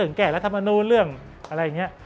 เหมือนแก่รัฐมนตรีเรื่องอะไรอย่างนี้